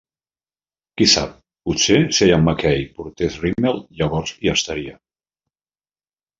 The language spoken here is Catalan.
Qui sap, potser si Ian MacKaye portés rímel llavors hi estaria.